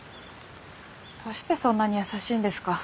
どうしてそんなに優しいんですか？